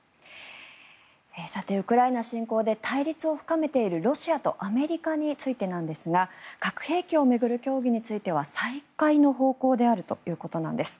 さて、ウクライナ侵攻で対立を深めているロシアとアメリカについてなんですが核兵器を巡る協議については再開の方向であるということなんです。